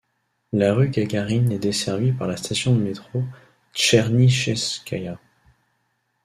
La rue Gagarine est desservie par la station de métro Tchernychevskaïa.